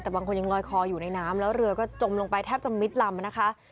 แต่บางคนยังลอยคออยู่ในน้ำแล้วเรือก็จมลงไปแทบจะมิดลำนะคะ